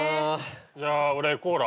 じゃあ俺コーラ。